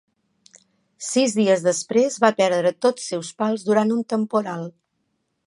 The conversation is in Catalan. Sis dies després va perdre tots seus pals durant un temporal.